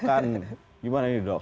kan gimana ini dok